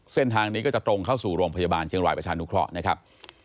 เส้นทางนี้ก็จะตรงเข้าสู่โรงพยาบาลเชียงรายประชานุเคราะห์นะครับ